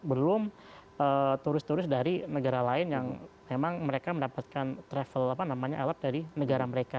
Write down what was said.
belum turis turis dari negara lain yang memang mereka mendapatkan travel alat dari negara mereka